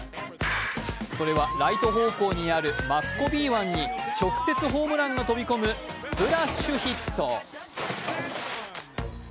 それはライト方向にあるマッコビー湾に直接ホームランが飛び込むスプラッシュヒット。